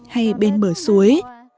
hay bên bờ suối